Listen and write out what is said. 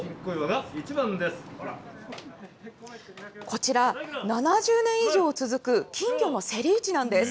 こちら、７０年以上続く金魚にせり市なんです。